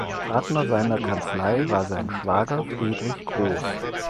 Partner seiner Kanzlei war sein Schwager Friedrich Grohs.